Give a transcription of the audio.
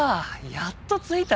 やっと着いた。